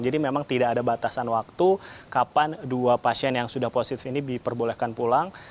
jadi memang tidak ada batasan waktu kapan dua pasien yang sudah positif ini diperbolehkan pulang